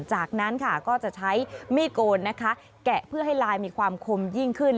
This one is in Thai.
จากนั้นค่ะก็จะใช้มีดโกนนะคะแกะเพื่อให้ลายมีความคมยิ่งขึ้น